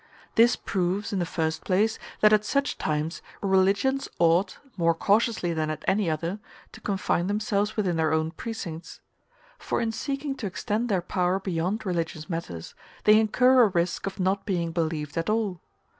This proves, in the first place, that at such times religions ought, more cautiously than at any other, to confine themselves within their own precincts; for in seeking to extend their power beyond religious matters, they incur a risk of not being believed at all.